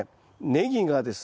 ネギがですね